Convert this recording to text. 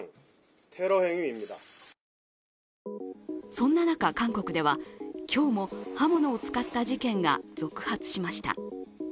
そんな中、韓国では今日も刃物を使った事件が続発しました。